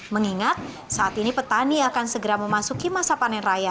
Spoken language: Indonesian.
mengingat saat ini petani akan segera memasukkan